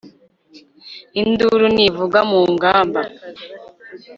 induru nivuga mu ngamba